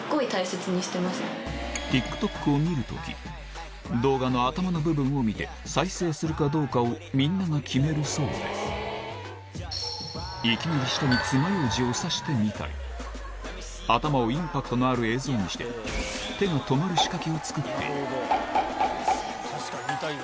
ＴｉｋＴｏｋを見るとき動画の頭の部分を見て再生するかどうかをみんなが決めるそうでいきなり舌につまようじを刺してみたり頭をインパクトのある映像にして手が止まる仕掛けを作っている確かに見たいわ。